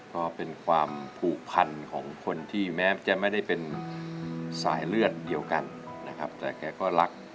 ก็เป็นความผูกพันของคนที่แม้จะไม่ได้เป็นสายเลือดเดียวกันนะครับแต่แกก็รัก